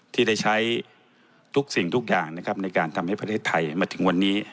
ที่ได้ใช้ทุกสิ่งทุกอย่างนะครับในการทำให้ประเทศไทยมาถึงวันนี้